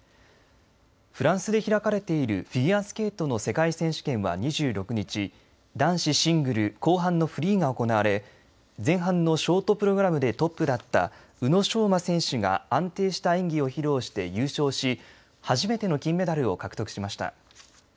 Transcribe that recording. フランスで開かれているフィギュアスケートの世界選手権は２６日男子シングル後半のフリーが行われ前半のショートプログラムでトップだった宇野昌磨選手が安定した演技を披露して優勝し初めての金メダルを獲得しました。